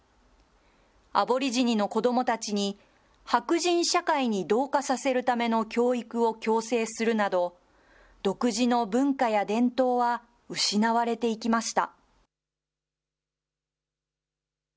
アボリジニの子どもたちに、白人社会に同化させるための教育を強制するなど、独自の文化や伝統は失われていきました。